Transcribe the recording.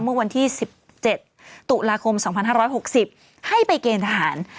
เมื่อวันที่๑๗ตุลาคม๒๕๖๐ให้ไปเกณฑ์ทหาร